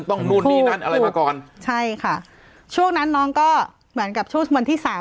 นู่นนี่นั่นอะไรมาก่อนใช่ค่ะช่วงนั้นน้องก็เหมือนกับช่วงวันที่สาม